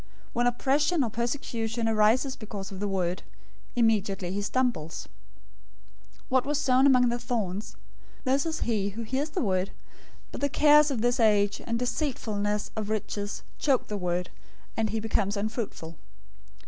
When oppression or persecution arises because of the word, immediately he stumbles. 013:022 What was sown among the thorns, this is he who hears the word, but the cares of this age and the deceitfulness of riches choke the word, and he becomes unfruitful.